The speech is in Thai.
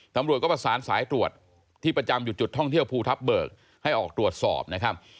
ตำรวจก็ประสานสายตรวจที่ประจำอยู่จุดท่องเที่ยวภูทับเบิกให้ออกตรวจสอบนะครับ